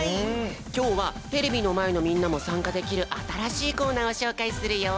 きょうはテレビのまえのみんなもさんかできるあたらしいコーナーをしょうかいするよ！